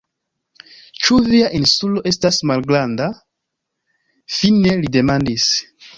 Ĉu via Insulo estas malgranda? fine li demandis.